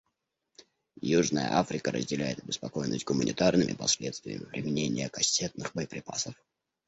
Южная Африка разделяет обеспокоенность гуманитарными последствиями применения кассетных боеприпасов.